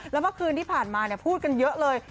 แล้วเมื่อคืนที่ผ่านมาพูดกันเยอะเลย